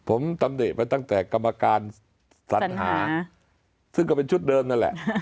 ผมตำหนิไปตั้งแต่กรรมการสัญหาซึ่งก็เป็นชุดเดิมนั่นแหละ